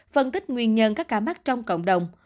phân tích nguyên nhân các ca mắc trong cộng đồng